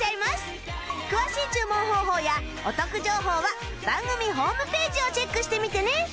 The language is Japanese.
詳しい注文方法やお得情報は番組ホームページをチェックしてみてね